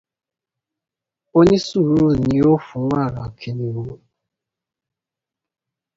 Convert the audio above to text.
Onísùúrù ni ó ń fún wàrà kìnìún.